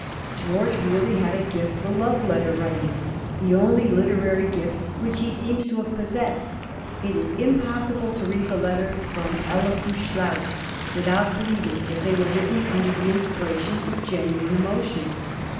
George really had a gift for love letter writing, the only literary gift which he seems to have possessed. It is impossible to read the letters from Helvoetsluis without believing that they were written under the inspiration of genuine emotion.